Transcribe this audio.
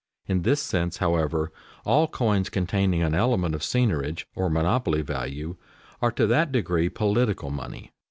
In this sense, however, all coins containing an element of seigniorage, or monopoly value, are to that degree "political" money.